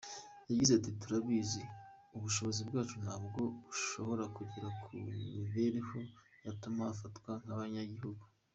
Yagize ati “Turabizi, ubushobozi bwacu ntabwo bushobora kugera ku mibereho yatuma bafatwa nk’abanyagihugu.